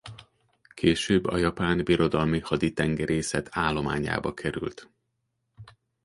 Később a Japán Birodalmi Haditengerészet állományába került.